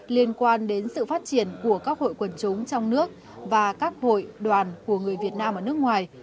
liên quan đến sự phát triển của các hội quần chúng trong nước và các hội đoàn của người việt nam ở nước ngoài